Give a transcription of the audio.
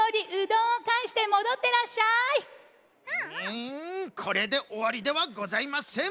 んこれでおわりではございません！